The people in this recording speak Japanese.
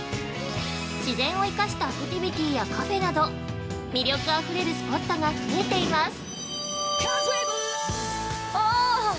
自然を生かしたアクティビティやカフェなど、魅力あふれるスポットが増えています。